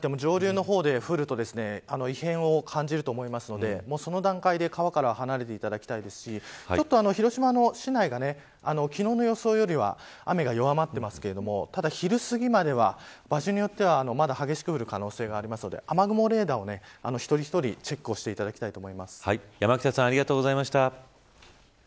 ここで降っていなくても上流の方で降ると異変を感じると思うのでその段階で川から離れていただきたいですし広島市内が昨日の予想よりは雨が弱まっていますが昼すぎまでは場所によってはまだ激しく降る可能性があるので雨雲レーダーを一人一人チェックをして山北さんありがとうございました。